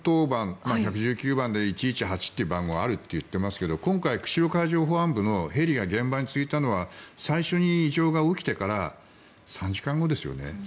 海の１１０番１１８という番号があると言ってますけど今回、釧路海上保安部のヘリが現場に着いたのは最初に異常が起きてから３時間後ですよね。